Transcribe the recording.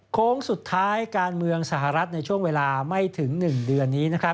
โค้งสุดท้ายการเมืองสหรัฐในช่วงเวลาไม่ถึง๑เดือนนี้